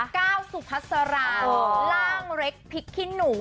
ก้าวสุพัสราร่างเล็กพริกขี้หนู